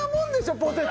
ポテト。